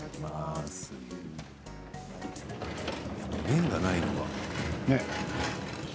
麺がないのがね。